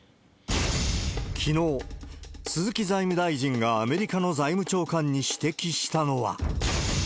きのう、鈴木財務大臣がアメリカの財務長官に指摘したのは。